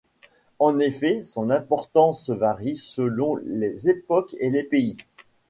En effet, son importance varie selon les époques et les pays.